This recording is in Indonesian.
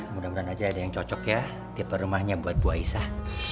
mudah mudahan aja ada yang cocok ya tipe rumahnya buat bu aisah